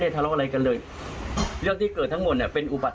ทะเลาะอะไรกันเลยเรื่องที่เกิดทั้งหมดเนี่ยเป็นอุบัติ